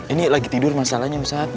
ini lagi tidur masalahnya satu